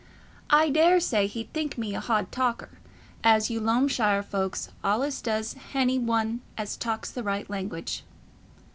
I daresay he'd think me a hodd talker, as you Loamshire folks allays does hany one as talks the right language."